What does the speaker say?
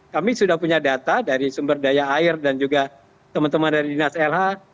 kami sudah punya data dari sumber daya air dan juga teman teman dari dinas lh